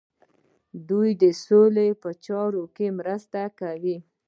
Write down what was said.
دوی د سولې په چارو کې مرسته کوي.